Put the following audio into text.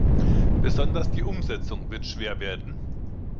Besonders die Umsetzung wird schwer werden.